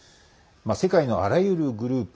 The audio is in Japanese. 世界のあらゆるグループ